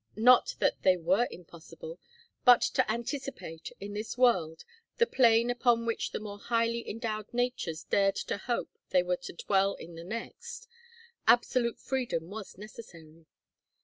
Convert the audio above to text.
Not that they were impossible; but to anticipate, in this world, the plane upon which the more highly endowed natures dared to hope they were to dwell in the next, absolute freedom was necessary.